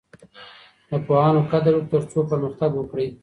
د پوهانو قدر وکړئ ترڅو پرمختګ وکړئ.